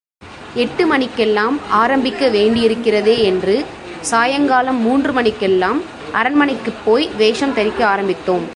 எட்டு மணிக்கெல்லாம் ஆரம்பிக்க வேண்டியிருக்கிறதே யென்று சாயங்காலம் மூன்று மணிக்கெல்லாம் அரண்மனைக்குப் போய் வேஷம் தரிக்க ஆரம்பித்தோம்.